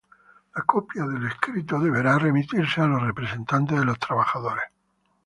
La copia del escrito deberá remitirse a los representantes de los trabajadores.